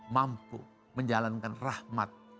mampu menjalankan rahmat